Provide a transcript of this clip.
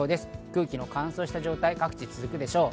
空気の乾燥した状態が各地で続くでしょう。